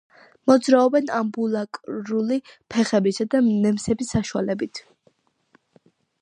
მოძრაობენ ამბულაკრული ფეხებისა და ნემსების საშუალებით.